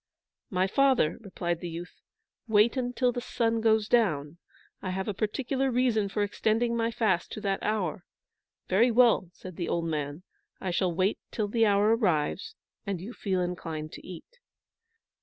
"My father," replied the youth, "wait till the sun goes down. I have a particular reason for extending my fast to that hour." "Very well," said the old man. "I shall wait till the hour arrives, and you feel inclined to eat."